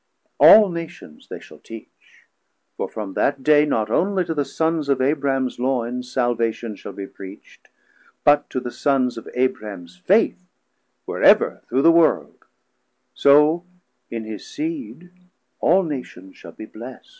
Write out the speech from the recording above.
All Nations they shall teach; for from that day Not onely to the Sons of Abrahams Loines Salvation shall be Preacht, but to the Sons Of Abrahams Faith wherever through the world; So in his seed all Nations shall be blest.